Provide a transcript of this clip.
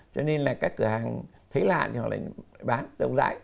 cho nên là các cửa hàng thấy lạ thì họ lại bán rộng rãi